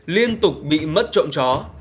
liên tục bị mất trộm chó